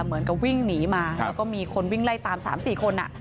เหมือนกับวิ่งหนีมาแล้วก็มีคนวิ่งไล่ตาม๓๔คน